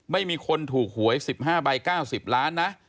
ไม่มีคนถูกหวย๑๕ใบ๙๐ล้านนะ